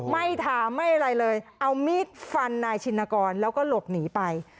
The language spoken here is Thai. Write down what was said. ไม่ถามไม่อะไรเลยเอามีดฟันนายชินกรแล้วก็หลบหนีไป